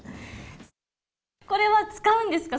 これは使うんですか？